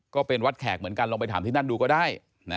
ก็เป็นวัดแขกเหมือนกันลองไปถามที่นั่นดูก็ได้